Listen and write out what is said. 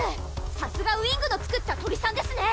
さすがウィングの作った鳥さんですね